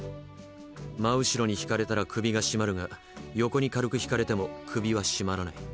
真後ろに引かれたら首が絞まるが横に軽く引かれても首は絞まらない。